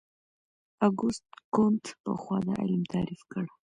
اګوست کُنت پخوا دا علم تعریف کړ.